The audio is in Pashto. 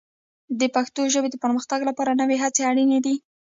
د پښتو ژبې د پرمختګ لپاره نوې هڅې اړینې دي.